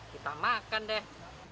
kita makan deh